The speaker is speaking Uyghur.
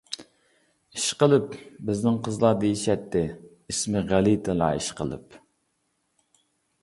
ئىشقىلىپ بىزنىڭ قىزلار دېيىشەتتى، ئىسمى غەلىتىلا ئىشقىلىپ!